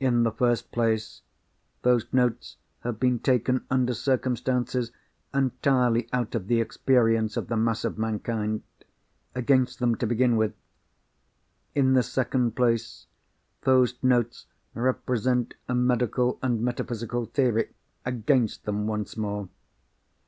In the first place, those notes have been taken under circumstances entirely out of the experience of the mass of mankind. Against them, to begin with! In the second place, those notes represent a medical and metaphysical theory. Against them, once more!